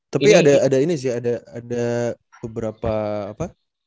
tapi ada ini sih ada beberapa apa